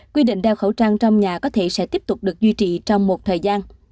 quy định đeo khẩu trang trong nhà có thể sẽ tiếp tục được duy trì trong một thời gian